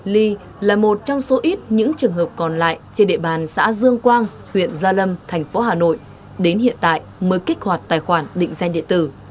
ly là một trong số ít những trường hợp còn lại trên địa bàn xã dương quang huyện gia lâm thành phố hà nội đến hiện tại mới kích hoạt tài khoản định danh điện tử